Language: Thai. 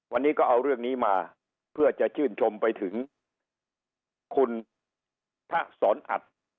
วันนี้ก็เอาเรื่องนี้มาเพื่อจะชื่นชมไปถึงคุณทะสอนอัด